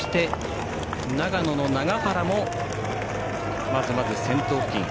長野の永原もまずまず先頭付近。